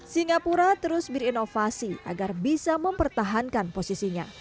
singapura terus berinovasi agar bisa mempertahankan posisinya